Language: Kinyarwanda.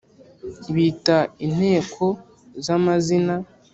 bita inteko za mazina